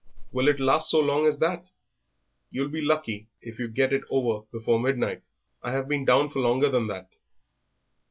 "Will it last so long as that?" "You'll be lucky if you get it over before midnight. I have been down for longer than that."